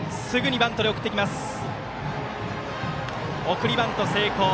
送りバント成功。